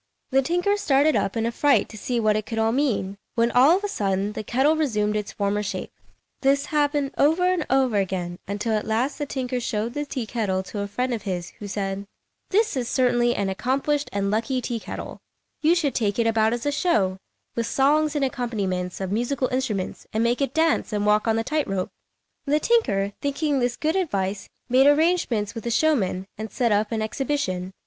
The tinker started up in a fright to see what it could all mean, when all of a sudden the kettle resumed its former shape. This happened over and over again, until at last the tinker showed the tea kettle to a friend of his, who said, "This is certainly an accomplished and lucky tea kettle. You should take it about as a show, with songs and accompaniments of musical instruments, and make it dance and walk on the tight rope." [Illustration: THE ACCOMPLISHED AND LUCKY TEA KETTLE.] The tinker, thinking this good advice, made arrangements with a showman, and set up an exhibition.